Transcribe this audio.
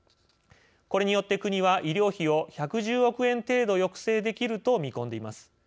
これによって国は医療費を１１０億円程度抑制できると見込んでいます。